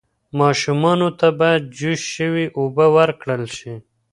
ماشومانو ته باید جوش شوې اوبه ورکړل شي.